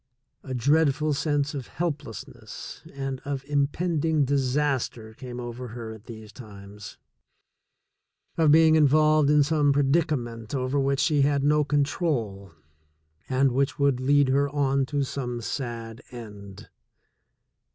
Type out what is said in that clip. A dreadful sense of helplessness and of impending disaster came over her at these times, of being in volved in some predicament over which she had no control, and which would lead her on to some sad end.